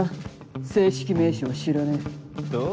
正式名称は知らねえ。